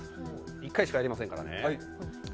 １回しかやりませんからね。